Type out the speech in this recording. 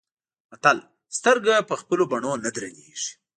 متل : سترګه په خپلو بڼو نه درنيږي.